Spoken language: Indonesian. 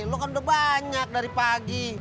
lo kan udah banyak dari pagi